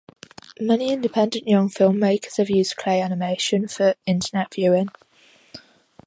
Many independent young filmmakers have used clay animation features for internet viewing.